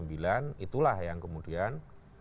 itulah yang kemudian